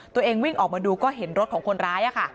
ตัวเองวิ่งออกมาดูก็เห็นรถของคนร้ายค่ะ